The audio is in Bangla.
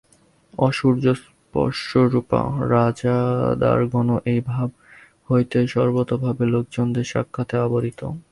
অসূর্যস্পশ্যরূপা রাজদারাগণও এই ভাব হইতে সর্বতোভাবে লোকলোচনের সাক্ষাতে আবরিত।